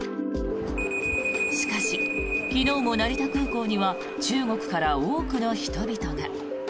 しかし、昨日も成田空港には中国から多くの人々が。